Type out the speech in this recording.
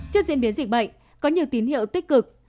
trước diễn biến dịch bệnh có nhiều tín hiệu tích cực